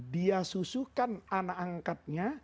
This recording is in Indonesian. dia susukan anak angkatnya